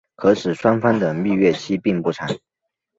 可使双方的蜜月期并不长。